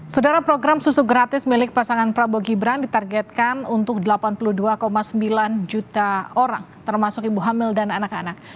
saudara program susu gratis milik pasangan prabowo gibran ditargetkan untuk delapan puluh dua sembilan juta orang termasuk ibu hamil dan anak anak